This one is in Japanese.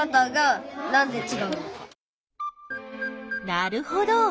なるほど！